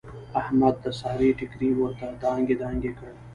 احمد د سارې ټیکری ورته دانګې دانګې کړ.